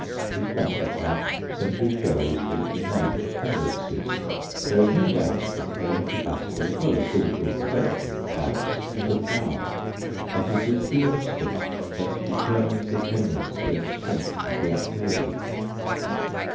His bank account simply shows his innate tendencies. There is no doubt that brain capacity as well as physical perfection adds to power, but it is the instinct that determines the tendency and strength of the activity.